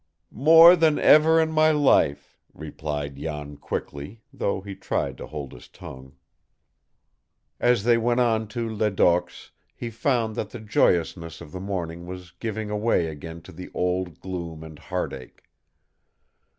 "More than ever in my life," replied Jan quickly, though he tried to hold his tongue. As they went on to Ledoq's, he found that the joyousness of the morning was giving way again to the old gloom and heartache.